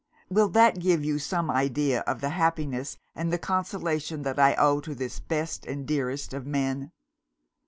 Will that give you some idea of the happiness and the consolation that I owe to this best and dearest of men?